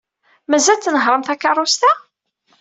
Mazal tnehhṛem takeṛṛust-a?